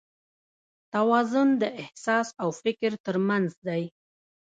توازن د احساس او فکر تر منځ دی.